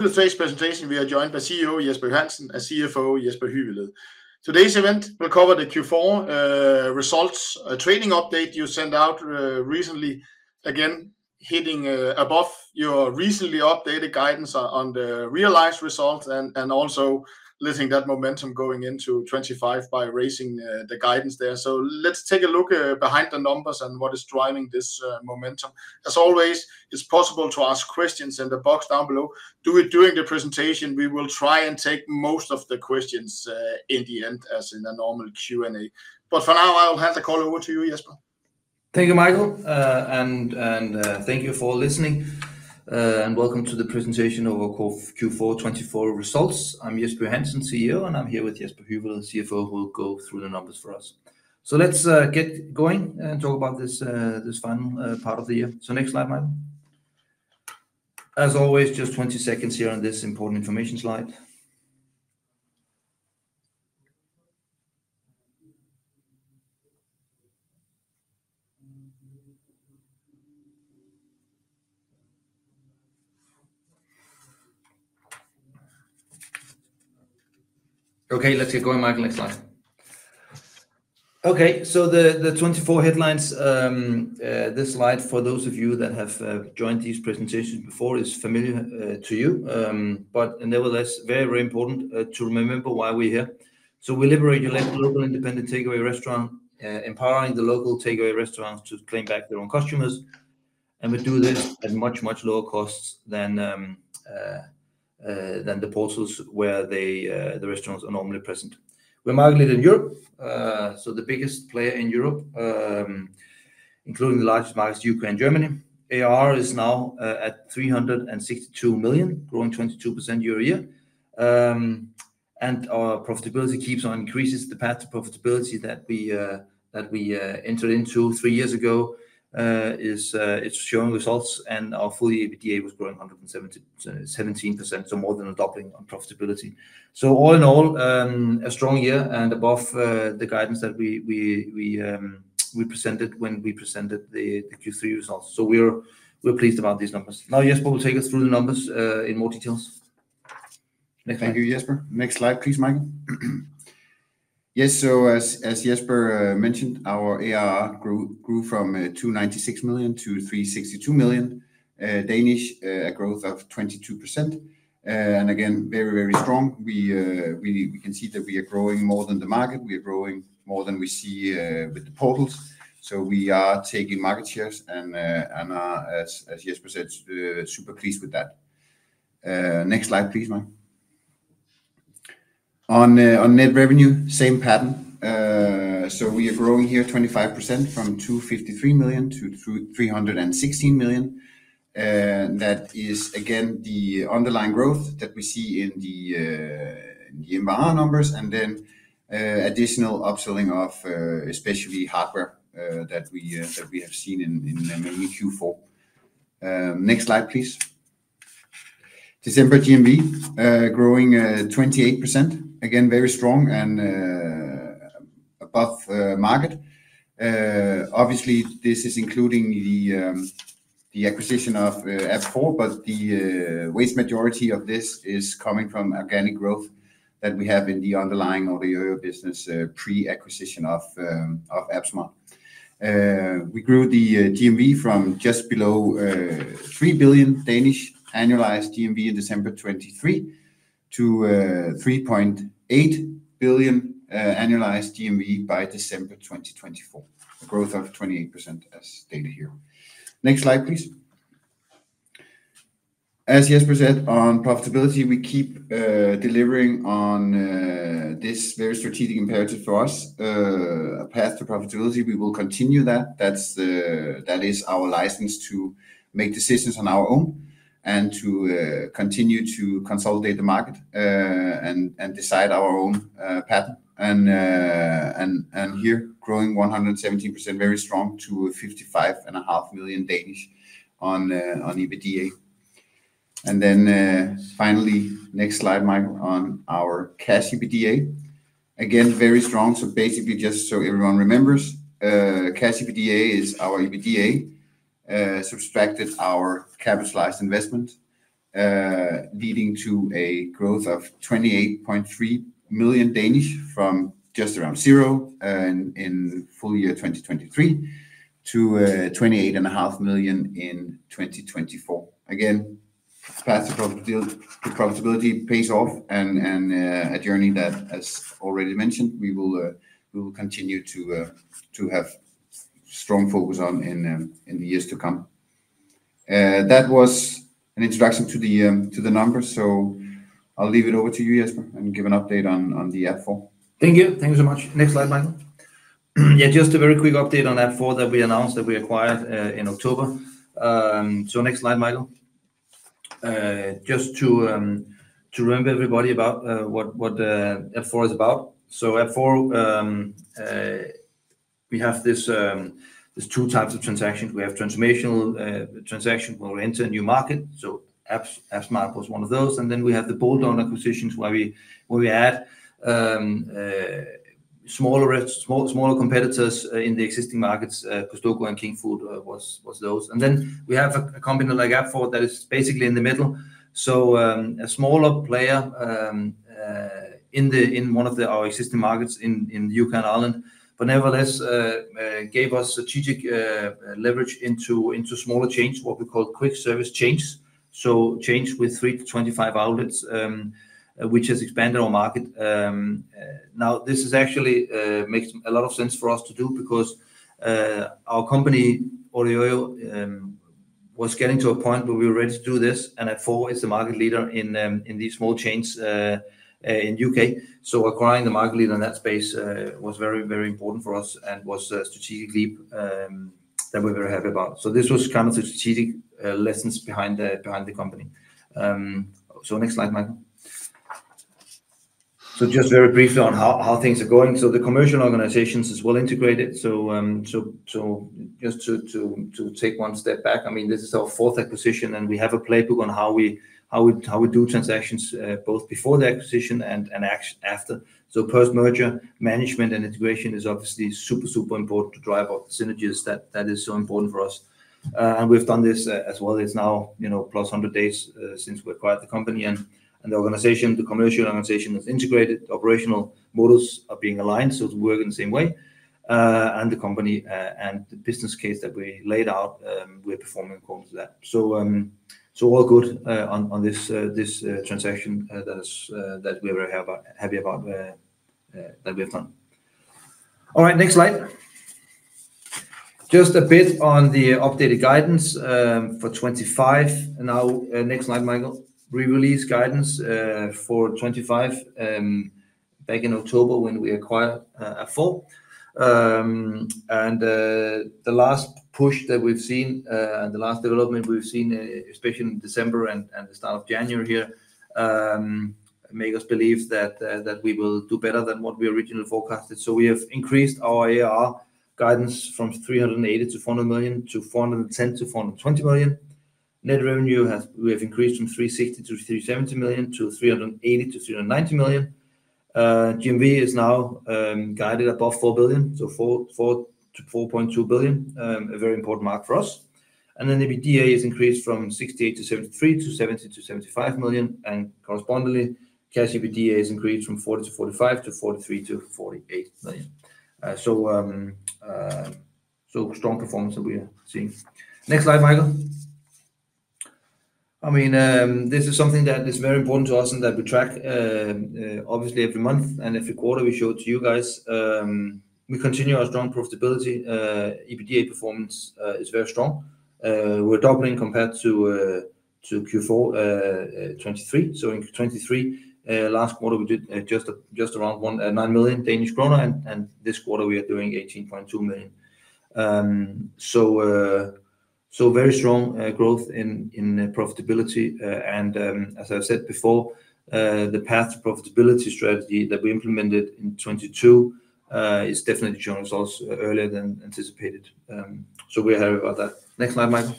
Today's presentation, we are joined by CEO Jesper Johansen and CFO Jesper Hyveled. Today's event will cover the Q4 results training update you sent out recently, again hitting above your recently updated guidance on the realized results and also letting that momentum going into 2025 by raising the guidance there. So let's take a look behind the numbers and what is driving this momentum. As always, it's possible to ask questions in the box down below. Do it during the presentation. We will try and take most of the questions in the end as in a normal Q&A. But for now, I'll hand the call over to you, Jesper. Thank you, Michael, and thank you for listening, and welcome to the presentation of our Q4 2024 results. I'm Jesper Johansen, CEO, and I'm here with Jesper Hyveled, CFO, who will go through the numbers for us. So let's get going and talk about this final part of the year. So next slide, Michael. As always, just 20 seconds here on this important information slide. Okay, let's get going, Michael. Next slide. Okay, so the 2024 headlines, this slide, for those of you that have joined these presentations before, is familiar to you, but nevertheless, very, very important to remember why we're here. So we liberate your local independent takeaway restaurant, empowering the local takeaway restaurants to claim back their own customers. And we do this at much, much lower costs than the portals where the restaurants are normally present. We're marketed in Europe, so the biggest player in Europe, including the largest markets, U.K. and Germany. ARR is now at 362 million, growing 22% year over year, and our profitability keeps on increasing. The path to profitability that we entered into three years ago is showing results, and our full EBITDA was growing 117%, so more than a doubling on profitability, so all in all, a strong year and above the guidance that we presented when we presented the Q3 results, so we're pleased about these numbers. Now, Jesper will take us through the numbers in more details. Thank you, Jesper. Next slide, please, Michael. Yes, so as Jesper mentioned, our ARR grew from 296 million to 362 million, a growth of 22%. And again, very, very strong. We can see that we are growing more than the market. We are growing more than we see with the portals. So we are taking market shares, and as Jesper said, super pleased with that. Next slide, please, Michael. On net revenue, same pattern. So we are growing here 25% from 253 million to 316 million. That is, again, the underlying growth that we see in the MRR numbers and then additional upselling of especially hardware that we have seen in Q4. Next slide, please. December GMV growing 28%. Again, very strong and above market. Obviously, this is including the acquisition of AppSmart, but the vast majority of this is coming from organic growth that we have in the underlying or the business pre-acquisition of AppSmart. We grew the GMV from just below 3 billion annualized GMV in December 2023 to 3.8 billion annualized GMV by December 2024, a growth of 28% as stated here. Next slide, please. As Jesper said, on profitability, we keep delivering on this very strategic imperative for us, a path to profitability. We will continue that. That is our license to make decisions on our own and to continue to consolidate the market and decide our own pattern. Here, growing 117%, very strong to 55.5 million on EBITDA. Then finally, next slide, Michael, on our cash EBITDA. Again, very strong. Basically, just so everyone remembers, cash EBITDA is our EBITDA subtracted our capitalized investment, leading to a growth of 28.3 million from just around zero in full year 2023 to 28.5 million in 2024. Again, the profitability pays off and a journey that, as already mentioned, we will continue to have strong focus on in the years to come. That was an introduction to the numbers. I'll leave it over to you, Jesper, and give an update on the App4. Thank you. Thank you so much. Next slide, Michael. Yeah, just a very quick update on App4 that we announced that we acquired in October. So next slide, Michael. Just to remember everybody about what App4 is about. So App4, we have these two types of transactions. We have transformational transactions when we enter a new market. So AppSmart was one of those. And then we have the bolt-on acquisitions where we had smaller competitors in the existing markets. Costco and Kingfood was those. And then we have a company like App4 that is basically in the middle. So a smaller player in one of our existing markets in the U.K. and Ireland, but nevertheless, gave us strategic leverage into smaller chains, what we call quick service chains. So chains with 3-25 outlets, which has expanded our market. Now, this actually makes a lot of sense for us to do because our company, OrderYOYO, was getting to a point where we were ready to do this, and App4 is the market leader in these small chains in the U.K.. So acquiring the market leader in that space was very, very important for us and was strategically that we were very happy about. So this was kind of the strategic lessons behind the company. So next slide, Michael. So just very briefly on how things are going. So the commercial organizations is well integrated. So just to take one step back, I mean, this is our fourth acquisition, and we have a playbook on how we do transactions both before the acquisition and after. So post-merger management and integration is obviously super, super important to drive out the synergies that is so important for us. We've done this as well. It's now plus 100 days since we acquired the company. The organization, the commercial organization is integrated. Operational models are being aligned, so we work in the same way. The company and the business case that we laid out, we're performing according to that. So all good on this transaction that we're very happy about that we have done. All right, next slide. Just a bit on the updated guidance for 2025. Now, next slide, Michael. We released guidance for 2025 back in October when we acquired App4. The last push that we've seen and the last development we've seen, especially in December and the start of January here, makes us believe that we will do better than what we originally forecasted. So we have increased our ARR guidance from 380-400 million to 410-420 million. Net revenue we have increased from 360-370 million to 380-390 million. GMV is now guided above 4 billion, so 4-4.2 billion, a very important mark for us. And then EBITDA is increased from 68-73 to 70-75 million. And correspondingly, cash EBITDA is increased from 40-45 to 43-48 million. So strong performance that we are seeing. Next slide, Michael. I mean, this is something that is very important to us and that we track obviously every month and every quarter. We show it to you guys. We continue our strong profitability. EBITDA performance is very strong. We're doubling compared to Q4 2023. So in 2023, last quarter, we did just around 9 million Danish kroner, and this quarter, we are doing 18.2 million. So very strong growth in profitability. As I've said before, the path to profitability strategy that we implemented in 2022 is definitely showing results earlier than anticipated. We're happy about that. Next slide, Michael.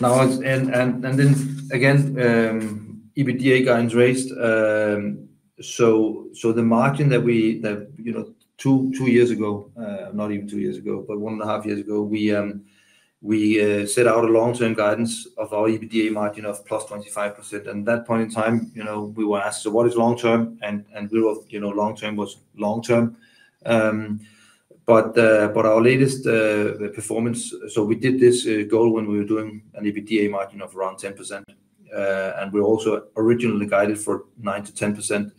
Now, and then again, EBITDA guidance raised. The margin that two years ago, not even two years ago, but one and a half years ago, we set out a long-term guidance of our EBITDA margin of plus 25%. At that point in time, we were asked, so what is long-term? Long-term was long-term. Our latest performance, so we did this goal when we were doing an EBITDA margin of around 10%. We're also originally guided for 9%-10%,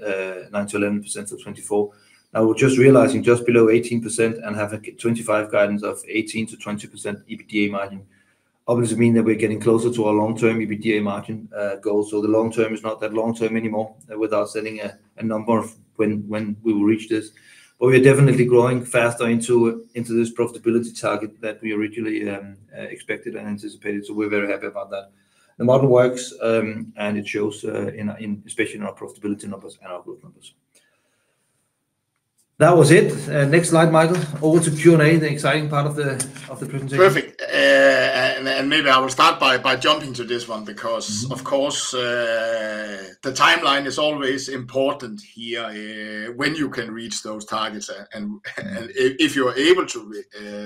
9%-11% for 2024. Now we're just realizing just below 18% and have a 2025 guidance of 18%-20% EBITDA margin. Obviously, it means that we're getting closer to our long-term EBITDA margin goal. So the long-term is not that long-term anymore without setting a number when we will reach this. But we are definitely growing faster into this profitability target that we originally expected and anticipated. So we're very happy about that. The model works, and it shows especially in our profitability numbers and our growth numbers. That was it. Next slide, Michael. Over to Q&A, the exciting part of the presentation. Perfect, and maybe I will start by jumping to this one because, of course, the timeline is always important here when you can reach those targets and if you're able to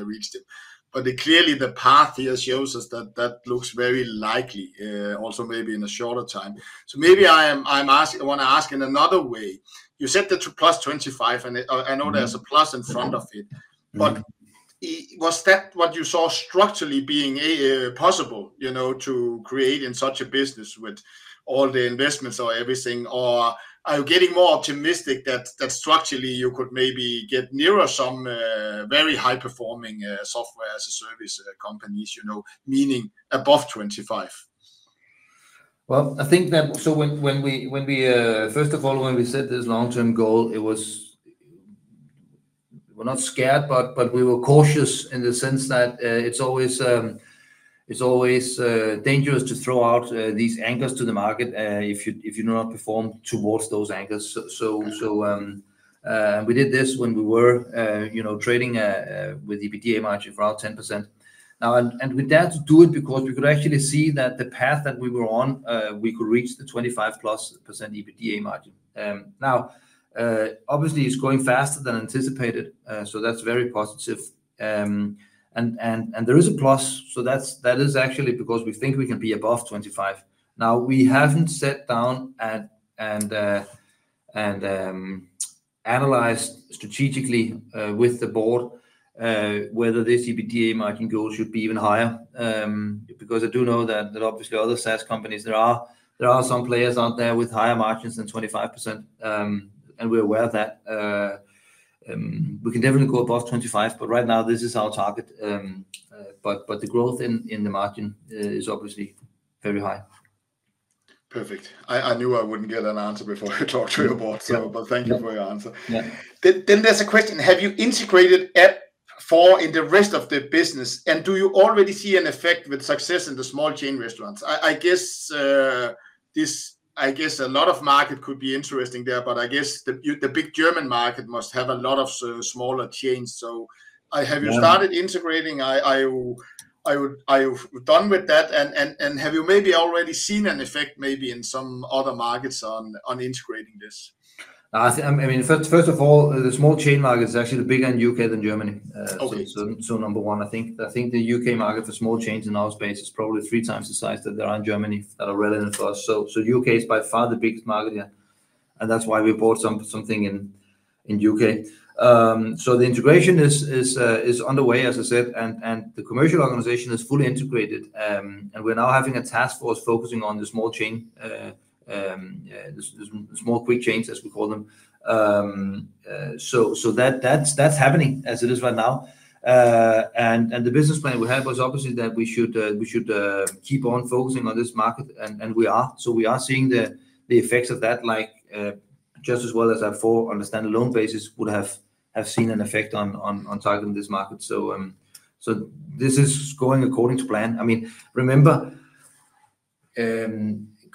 reach them, but clearly, the path here shows us that that looks very likely also maybe in a shorter time, so maybe I want to ask in another way. You said the +25, and I know there's a plus in front of it, but was that what you saw structurally being possible to create in such a business with all the investments or everything, or are you getting more optimistic that structurally you could maybe get nearer some very high-performing software as a service companies, meaning above 25? I think that so when we, first of all, when we set this long-term goal, we were not scared, but we were cautious in the sense that it's always dangerous to throw out these anchors to the market if you do not perform towards those anchors. So we did this when we were trading with EBITDA margin for around 10%. Now, and we dared to do it because we could actually see that the path that we were on, we could reach the 25+% EBITDA margin. Now, obviously, it's going faster than anticipated. So that's very positive. And there is a plus. So that is actually because we think we can be above 25%. Now, we haven't sat down and analyzed strategically with the board whether this EBITDA margin goal should be even higher because I do know that obviously other SaaS companies, there are some players out there with higher margins than 25%. And we're aware of that. We can definitely go above 25, but right now, this is our target. But the growth in the margin is obviously very high. Perfect. I knew I wouldn't get an answer before I talked to your board, but thank you for your answer. Then there's a question. Have you integrated App4 in the rest of the business? And do you already see an effect with success in the small chain restaurants? I guess a lot of market could be interesting there, but I guess the big German market must have a lot of smaller chains. So have you started integrating? Are you done with that? And have you maybe already seen an effect maybe in some other markets on integrating this? I mean, first of all, the small chain market is actually bigger in the U.K. than Germany. So number one, I think the U.K. market for small chains in our space is probably three times the size that there are in Germany that are relevant for us. So the U.K. is by far the biggest market here. And that's why we bought something in the U.K. So the integration is underway, as I said, and the commercial organization is fully integrated. And we're now having a task force focusing on the small chain, the small quick chains, as we call them. So that's happening as it is right now. And the business plan we have is obviously that we should keep on focusing on this market. And we are. So, we are seeing the effects of that just as well as App4 on a standalone basis would have seen an effect on targeting this market. So, this is going according to plan. I mean, remember,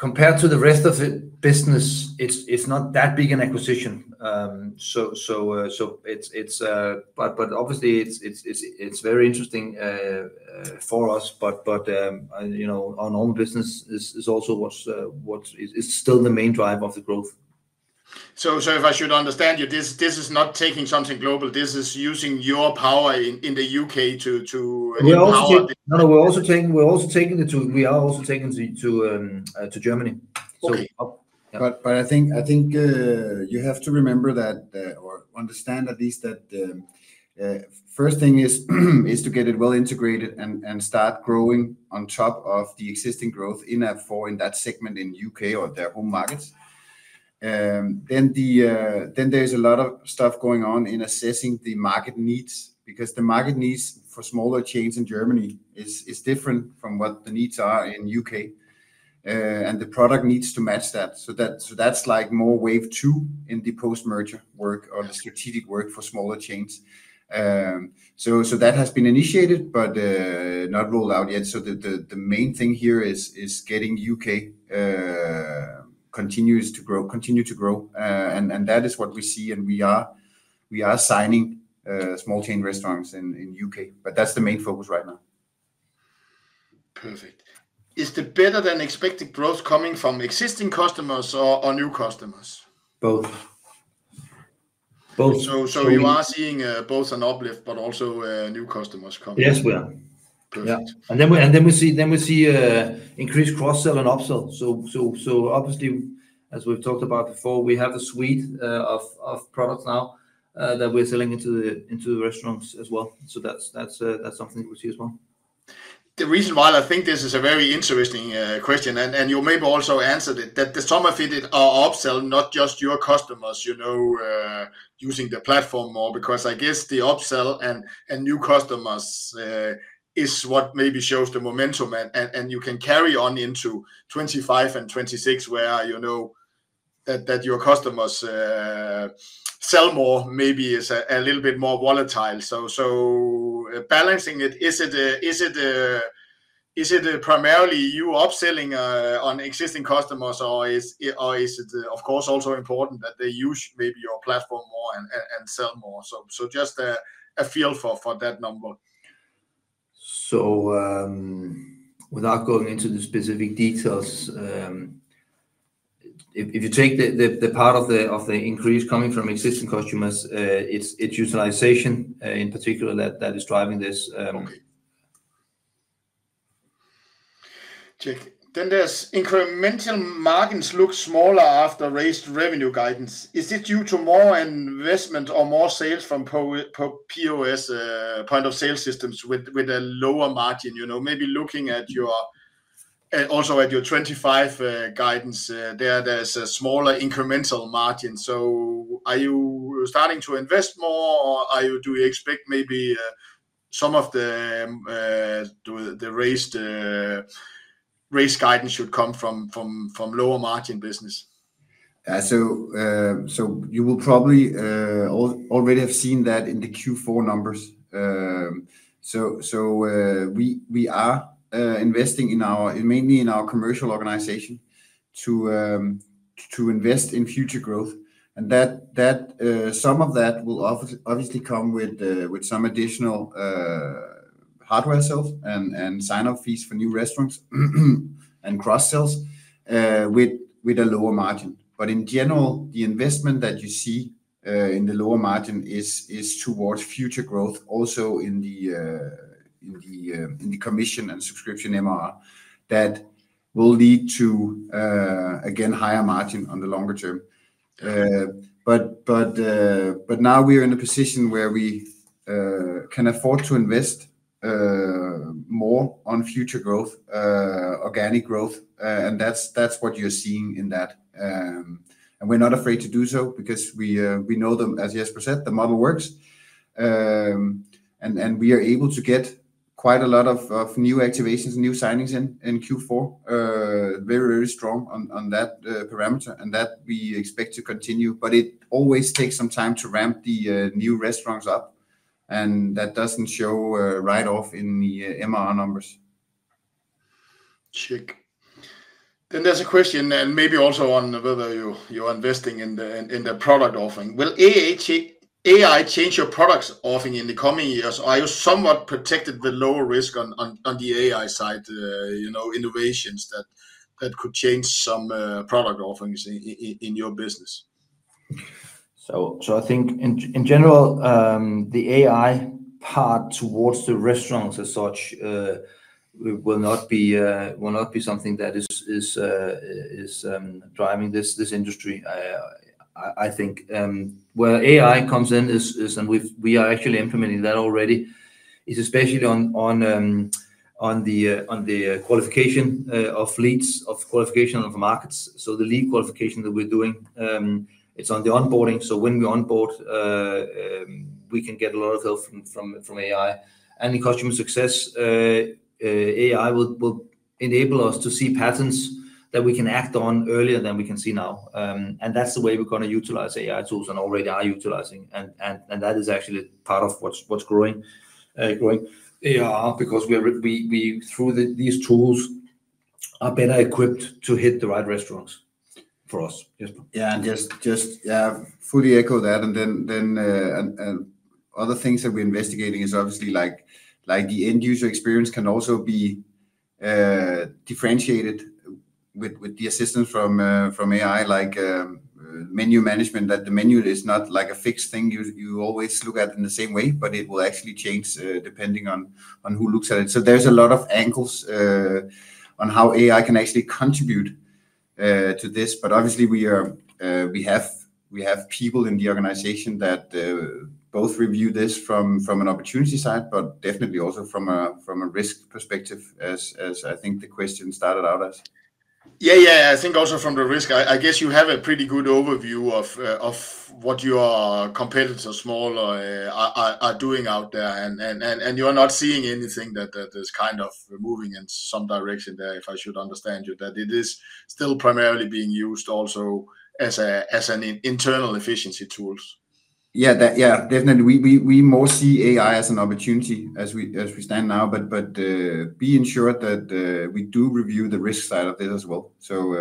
compared to the rest of the business, it's not that big an acquisition. So, but obviously, it's very interesting for us. But, our normal business is also what is still the main drive of the growth. So if I should understand you, this is not taking something global. This is using your power in the U.K. to. No, no, we're also taking it to Germany. Okay. But I think you have to remember that or understand at least that first thing is to get it well integrated and start growing on top of the existing growth in App4 in that segment in the U.K. or their home markets. Then there's a lot of stuff going on in assessing the market needs because the market needs for smaller chains in Germany is different from what the needs are in the U.K.. And the product needs to match that. So that's like more wave two in the post-merger work or the strategic work for smaller chains. So that has been initiated but not rolled out yet. So the main thing here is getting the U.K. continues to grow, continue to grow. And that is what we see. And we are signing small chain restaurants in the U.K.. But that's the main focus right now. Perfect. Is the better than expected growth coming from existing customers or new customers? Both. Both. You are seeing both an uplift, but also new customers coming. Yes, we are. Perfect. And then we see increased cross-sell and upsell. So obviously, as we've talked about before, we have a suite of products now that we're selling into the restaurants as well. So that's something we see as well. The reason why I think this is a very interesting question, and you maybe also answered it, that some of it are upsell, not just your customers using the platform more because I guess the upsell and new customers is what maybe shows the momentum. And you can carry on into 2025 and 2026 where you know that your customers sell more maybe is a little bit more volatile. So balancing it, is it primarily you upselling on existing customers, or is it, of course, also important that they use maybe your platform more and sell more? So just a feel for that number. Without going into the specific details, if you take the part of the increase coming from existing customers, it's utilization in particular that is driving this. Okay, then there's incremental margins look smaller after raised revenue guidance. Is this due to more investment or more sales from POS Point of Sale systems with a lower margin? Maybe looking at also at your 2025 guidance, there's a smaller incremental margin, so are you starting to invest more, or do you expect maybe some of the raised guidance should come from lower margin business? So you will probably already have seen that in the Q4 numbers. So we are investing mainly in our commercial organization to invest in future growth. And some of that will obviously come with some additional hardware sales and sign-up fees for new restaurants and cross-sells with a lower margin. But in general, the investment that you see in the lower margin is towards future growth also in the commission and subscription MRR that will lead to, again, higher margin on the longer term. But now we are in a position where we can afford to invest more on future growth, organic growth. And that's what you're seeing in that. And we're not afraid to do so because we know them, as Jesper said, the model works. And we are able to get quite a lot of new activations, new signings in Q4, very, very strong on that parameter. And that we expect to continue. But it always takes some time to ramp the new restaurants up. And that doesn't show right off in the MRR numbers. Check. Then there's a question, and maybe also on whether you're investing in the product offering. Will AI change your product offering in the coming years? Are you somewhat protected with lower risk on the AI side, innovations that could change some product offerings in your business? I think in general, the AI part towards the restaurants as such will not be something that is driving this industry, I think. Where AI comes in, and we are actually implementing that already, is especially on the qualification of leads, of qualification of the markets. The lead qualification that we're doing, it's on the onboarding. When we onboard, we can get a lot of help from AI. In customer success, AI will enable us to see patterns that we can act on earlier than we can see now. That's the way we're going to utilize AI tools and already are utilizing. That is actually part of what's growing. Growing ARR because through these tools, we're better equipped to hit the right restaurants for us. Yeah. And just fully echo that. And then other things that we're investigating is obviously like the end-user experience can also be differentiated with the assistance from AI, like menu management, that the menu is not like a fixed thing you always look at in the same way, but it will actually change depending on who looks at it. So there's a lot of angles on how AI can actually contribute to this. But obviously, we have people in the organization that both review this from an opportunity side, but definitely also from a risk perspective, as I think the question started out as. Yeah, yeah. I think also from the risk, I guess you have a pretty good overview of what your competitors are doing out there and you're not seeing anything that is kind of moving in some direction there, if I should understand you, that it is still primarily being used also as an internal efficiency tools. Yeah, yeah. Definitely. We more see AI as an opportunity as we stand now, but be ensured that we do review the risk side of this as well. So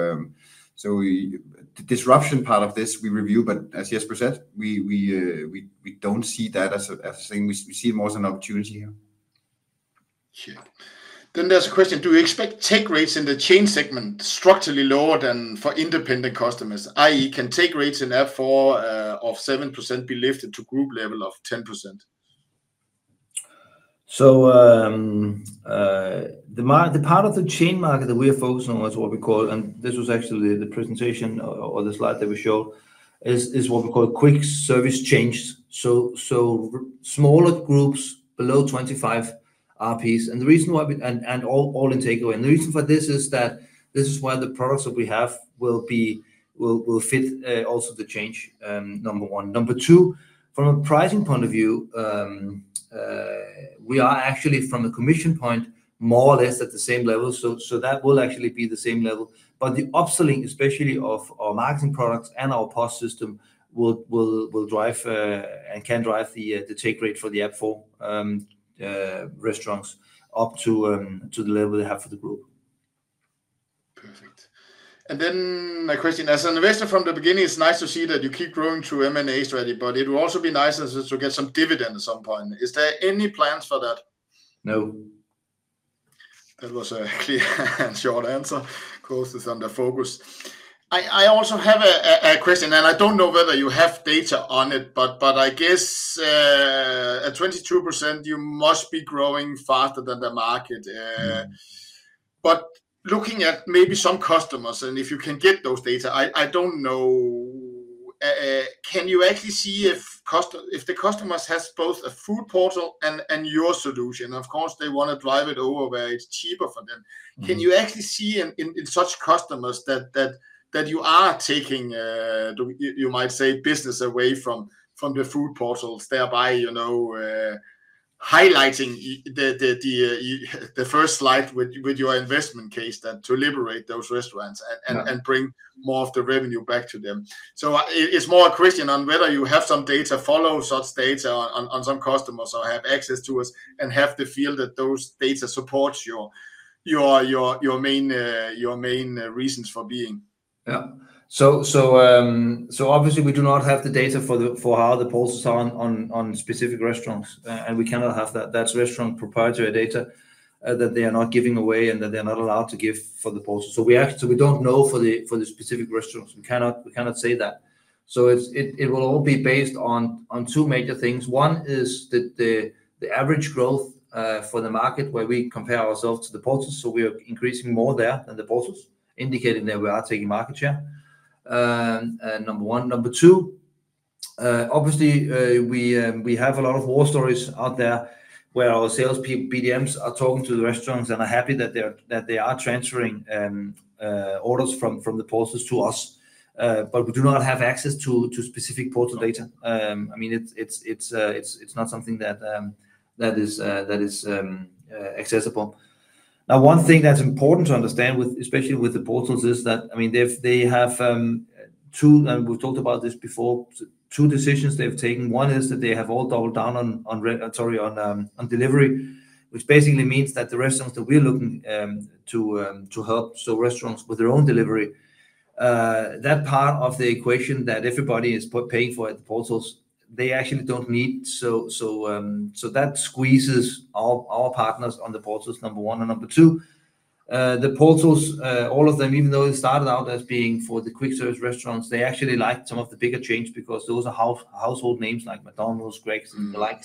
the disruption part of this, we review. But as Jesper said, we don't see that as a thing. We see it more as an opportunity here. Check. Then there's a question. Do you expect take rates in the chain segment structurally lower than for independent customers? I.e., can take rates in App4 of 7% be lifted to group level of 10%? The part of the chain market that we are focusing on is what we call, and this was actually the presentation or the slide that we showed, is what we call quick service chains. Smaller groups below 25 outlets. The reason why, and all in takeaway, and the reason for this is that this is why the products that we have will fit also the chain, number one. Number two, from a pricing point of view, we are actually from a commission point more or less at the same level. That will actually be the same level. But the upselling, especially of our marketing products and our POS system, will drive and can drive the take rate for the App4 restaurants up to the level they have for the group. Perfect. And then my question, as an investor from the beginning, it's nice to see that you keep growing through M&A strategy, but it will also be nice to get some dividend at some point. Is there any plans for that? No. That was a clear and short answer. Cost is under focus. I also have a question, and I don't know whether you have data on it, but I guess at 22%, you must be growing faster than the market, but looking at maybe some customers, and if you can get those data, I don't know, can you actually see if the customers have both a food portal and your solution? Of course, they want to drive it over where it's cheaper for them. Can you actually see in such customers that you are taking, you might say, business away from the food portals, thereby highlighting the first slide with your investment case to liberate those restaurants and bring more of the revenue back to them? It's more a question on whether you have some data, follow such data on some customers or have access to us and have the feel that those data support your main reasons for being. Yeah. So obviously, we do not have the data for how the portals are on specific restaurants, and we cannot have that. That's restaurant proprietary data that they are not giving away and that they are not allowed to give for the portals. So we don't know for the specific restaurants. We cannot say that. It will all be based on two major things. One is the average growth for the market where we compare ourselves to the portals, so we are increasing more there than the portals, indicating that we are taking market share, number one. Number two, obviously, we have a lot of war stories out there where our salespeople, BDMs, are talking to the restaurants and are happy that they are transferring orders from the portals to us, but we do not have access to specific portal data. I mean, it's not something that is accessible. Now, one thing that's important to understand, especially with the portals, is that, I mean, they have two, and we've talked about this before, two decisions they've taken. One is that they have all doubled down on delivery, which basically means that the restaurants that we're looking to help, so restaurants with their own delivery, that part of the equation that everybody is paying for at the portals, they actually don't need. So that squeezes our partners on the portals, number one and number two. The portals, all of them, even though it started out as being for the quick service restaurants, they actually liked some of the bigger chains because those are household names like McDonald's, Greggs, and the like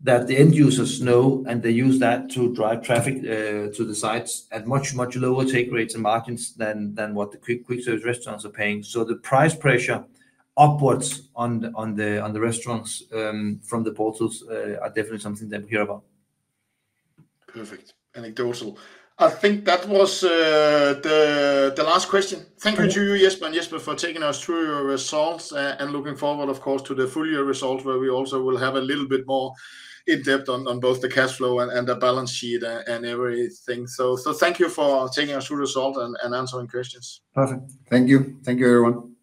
that the end users know, and they use that to drive traffic to the sites at much, much lower take rates and margins than what the quick service restaurants are paying. So the price pressure upwards on the restaurants from the portals are definitely something that we hear about. And that's all. I think that was the last question. Thank you to you, Jesper and Jesper, for taking us through your results and looking forward, of course, to the full year results where we also will have a little bit more in depth on both the cash flow and the balance sheet and everything. So thank you for taking us through the results and answering questions. Perfect. Thank you. Thank you, everyone.